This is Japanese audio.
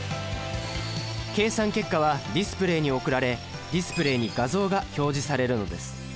計算結果はディスプレイに送られディスプレイに画像が表示されるのです。